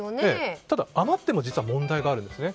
ただ余っても実は問題があるんですね。